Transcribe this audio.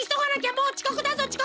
もうちこくだぞちこく！